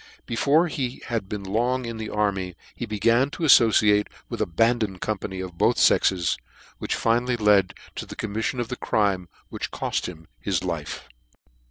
Before he had been long in the army he began to aflbciate with abandoned company of both fexes, which finally led to the commifiion of the crime which coft him his life.